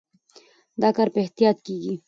دا کار په احتیاط کېږي.